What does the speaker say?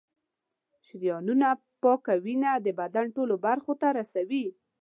شریانونه پاکه وینه د بدن ټولو برخو ته رسوي.